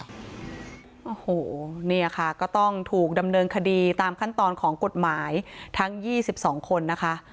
โอ้โหเนี่ยค่ะก็ต้องถูกดำเนินคดีตามขั้นตอนของกฎหมายทั้ง๒๒คนนะคะ